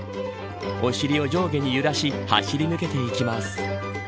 お尻を上下に揺らし走り抜けていきます。